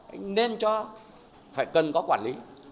anh nên cho phải cần có quản lý